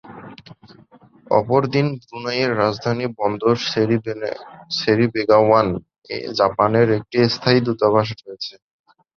অপরদিকে ব্রুনাইয়ের রাজধানী বন্দর সেরি বেগাওয়ান-এ জাপানের একটি স্থায়ী দূতাবাস রয়েছে।